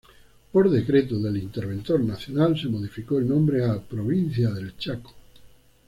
Por decreto del Interventor Nacional, se modificó el nombre a "Provincia del Chaco".